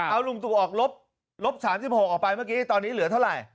เอาลุงตู่ออกลบ๓๖ออกไปเมื่อกี้ตอนนี้เหลือเท่าไหร่